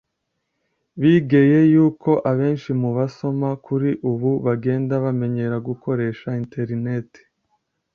bigeye yuko abenshi mu basoma kuri ubu bagenda bamenyera gukoresha internet